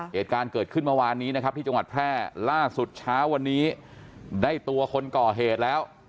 เหตุการณ์เกิดขึ้นเมื่อวานนี้นะครับที่จังหวัดแพร่ล่าสุดเช้าวันนี้ได้ตัวคนก่อเหตุแล้ว